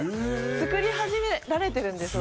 造り始められてるんですよ